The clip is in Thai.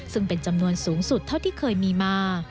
ซึ่งเป็นจำนวนสูงสุดเท่าที่เคยมีมา